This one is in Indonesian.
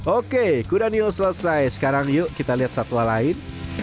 oke kudanil selesai sekarang yuk kita lihat satwa lain